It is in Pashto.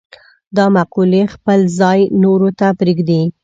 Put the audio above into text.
دا مقولې خپل ځای نورو ته پرېږدي.